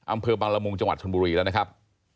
อำเภอบังละมุงจังหวัดชนบุรีแล้วนะครับ